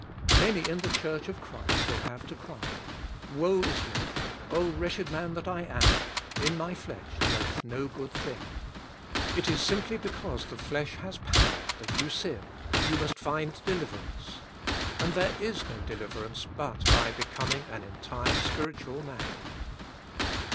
Many in the church of Christ vnll have to cry, '' Woe is me, O wretched man that I am, in my flesh dwell eth no good thing." It is simply because the flesh has powder that 3^ou sin, j^ou must find deliverance. And there is no deliverance but by becoming an en tire spiritual man.